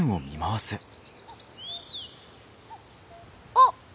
あっ！